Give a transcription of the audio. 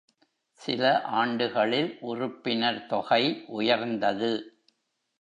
சில ஆண்டுகளில் உறுப்பினர் தொகை உயர்ந்தது.